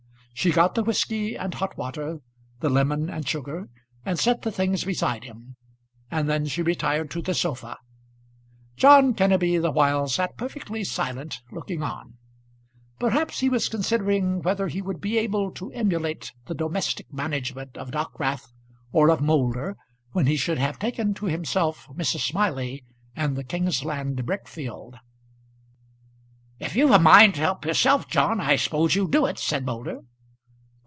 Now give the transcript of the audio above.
She got the whisky and hot water, the lemon and sugar, and set the things beside him; and then she retired to the sofa. John Kenneby the while sat perfectly silent looking on. Perhaps he was considering whether he would be able to emulate the domestic management of Dockwrath or of Moulder when he should have taken to himself Mrs. Smiley and the Kingsland brick field. "If you've a mind to help yourself, John, I suppose you'll do it," said Moulder.